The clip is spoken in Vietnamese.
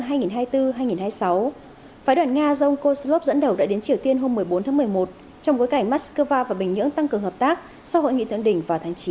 phái đoạn nga dòng kozlov dẫn đầu đã đến triều tiên hôm một mươi bốn tháng một mươi một trong gối cảnh moscow và bình nhưỡng tăng cường hợp tác sau hội nghị thượng đỉnh vào tháng chín vừa qua